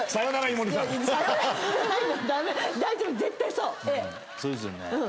そうですよね。